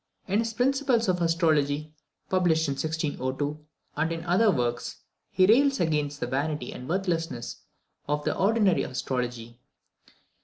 In his Principles of Astrology, published in 1602, and in other works, he rails against the vanity and worthlessness of the ordinary astrology.